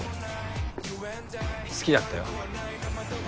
好きだったよ。